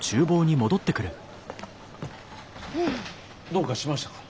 どうかしましたか？